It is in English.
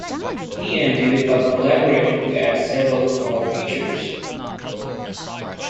He and David Buck collaborated to add several more features.